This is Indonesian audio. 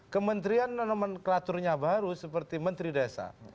kementerian nomenklaturnya baru seperti menteri desa